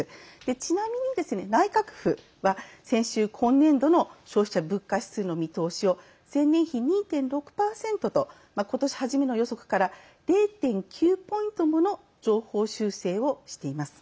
ちなみに、内閣府は先週今年度の消費者物価指数の前年度比２．６％と今年初めの予測から０．９ポイントもの上方修正をしています。